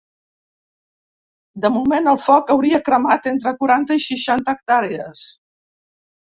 De moment el foc hauria cremat entre quaranta i seixanta hectàrees.